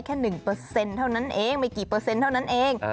ยังมีไม่กี่เปอร์เซ็นต์เท่านั้นเอง